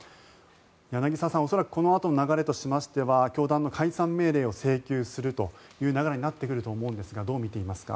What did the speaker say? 柳澤さん、恐らくこのあとの流れとしましては教団の解散命令を請求するということになると思いますがどう見ていますか？